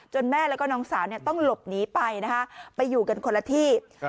แม่แล้วก็น้องสาวต้องหลบหนีไปนะคะไปอยู่กันคนละที่